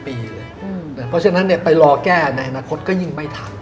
เพราะฉะนั้นไปรอแก้ในอนาคตก็ยิ่งไม่ทัน